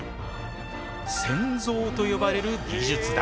潜像と呼ばれる技術だ。